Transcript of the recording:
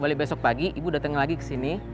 boleh besok pagi ibu datang lagi kesini